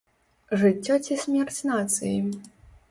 Жыццё ці смерць нацыі?